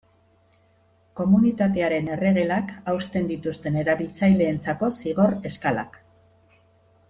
Komunitatearen erregelak hausten dituzten erabiltzaileentzako zigor eskalak.